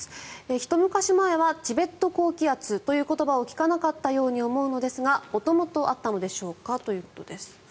ひと昔前はチベット高気圧という言葉を聞かなかったように思うのですが元々あったのでしょうかということです。